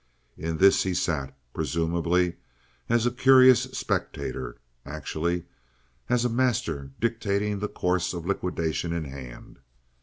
In this he sat, presumably as a curious spectator, actually as a master dictating the course of liquidation in hand.